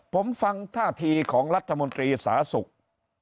ผมฟังท่าทีของรัฐมนตรีสาธุกษ์